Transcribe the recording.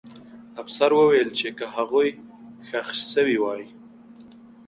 افسر وویل چې که هغوی ښخ سوي وای.